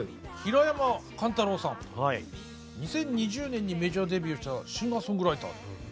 ２０２０年にメジャーデビューしたシンガーソングライター。